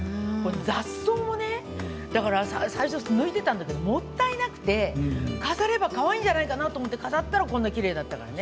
雑草も最初、抜いていたんだけどもったいなくなって飾ればかわいいじゃないかなと思って飾ったらこんなにきれいでね。